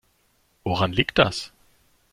Woran liegt das?